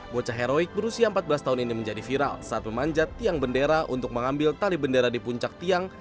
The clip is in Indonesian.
bocah heroik berusia empat belas tahun ini menjadi viral saat memanjat tiang bendera untuk mengambil tali bendera di puncak tiang